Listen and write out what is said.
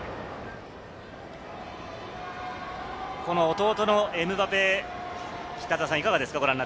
弟のエムバペ、いかがですか？